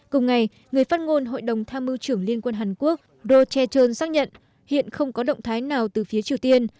cùng ngày người phát ngôn hội đồng tham mưu trưởng liên quân hàn quốc roh chae chun xác nhận hiện không có động thái nào từ phía triều tiên